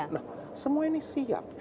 nah semua ini siap